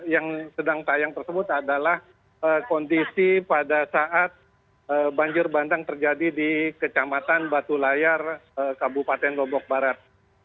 yang sedang tayang tersebut adalah kondisi pada saat banjir bandang terjadi di kecamatan batu layar kabupaten lombok barat